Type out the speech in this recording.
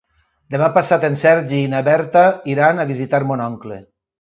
Demà passat en Sergi i na Berta iran a visitar mon oncle.